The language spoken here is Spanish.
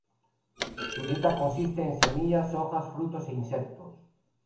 Su dieta consiste en semillas, hojas, frutos e insectos.